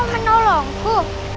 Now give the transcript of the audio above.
kamu mau menolongku